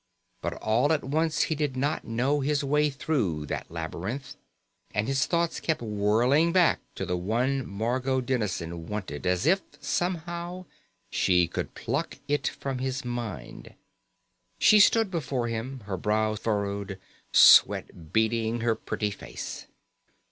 But all at once he did not know his way through that labyrinth and his thoughts kept whirling back to the one Margot Dennison wanted as if, somehow, she could pluck it from his mind. She stood before him, her brow furrowed, sweat beading her pretty face.